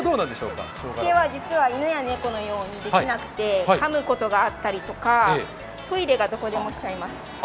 しつけは実は犬や野猫のようにできなくて、かむことがあったりとか、トイレがどこでもしちゃいます。